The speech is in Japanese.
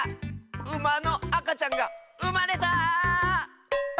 ウマのあかちゃんが「うま」れた！